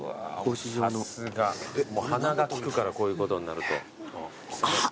さすが鼻が利くからこういうことになると。